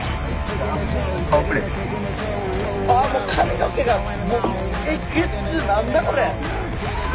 あもう髪の毛がもうえげつ何だこれ！